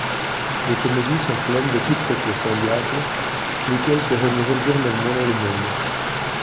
Les comédies sont pleines de quiproquos semblables, lesquels se renouvellent journellement dans le monde.